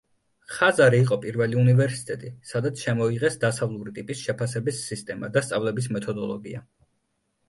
ხაზარი იყო პირველი უნივერსიტეტი, სადაც შემოიღეს დასავლური ტიპის შეფასების სისტემა და სწავლების მეთოდოლოგია.